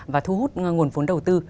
và thu hút nguồn phốn đầu tư